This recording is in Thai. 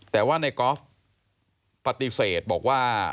แต่ว่าในกอล์ฟปฏิเสธบอกว่า